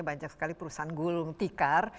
banyak sekali perusahaan gulung tikar